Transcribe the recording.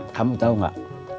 kamu tau gak